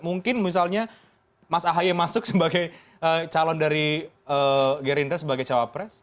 mungkin misalnya mas ahaye masuk sebagai calon dari gerindra sebagai cawapres